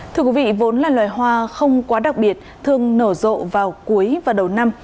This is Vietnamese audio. thưa quý vị vốn là loài hoa không quá đặc biệt thường nở rộ vào cuối và đầu năm